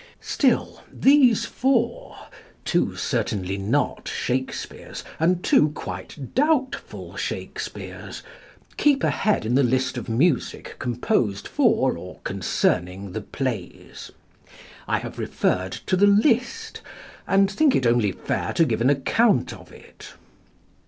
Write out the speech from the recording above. Still, these four, two certainly not Shakespeare's and two quite doubtful Shakespeares, keep ahead in the list of music composed for or concerning the plays. I have referred to the "List," and think it only fair to give an account of it.